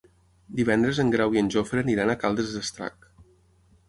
Divendres en Grau i en Jofre aniran a Caldes d'Estrac.